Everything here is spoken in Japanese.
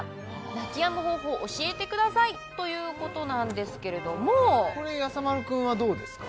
「泣きやむ方法を教えてください」ということなんですけれどもこれやさ丸くんはどうですか？